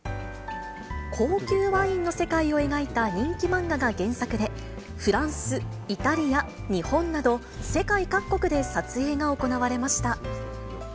高級ワインの世界を描いた人気漫画が原作で、フランス、イタリア、日本など、世界各国で撮影が行われました。